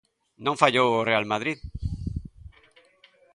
Non fallou o Real Madrid.